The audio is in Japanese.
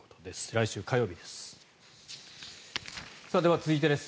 来週火曜日です。